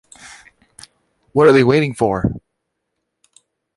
What are they waiting for?